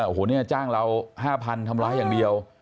โอ้โหเนี่ยจ้างเรา๕๐๐ทำร้ายอย่างเดียว